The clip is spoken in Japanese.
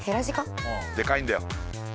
でかいんだよ。